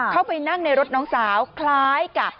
เข้าไปนั่งในรถน้องสาวคล้ายกับ